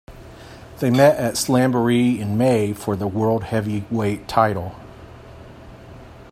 They met at Slamboree in May for the World Heavyweight Title.